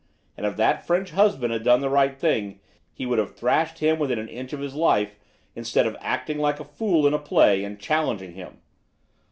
And if that French husband had done the right thing, he would have thrashed him within an inch of his life instead of acting like a fool in a play and challenging him.